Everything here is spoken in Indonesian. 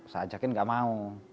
saya ajakin tidak mau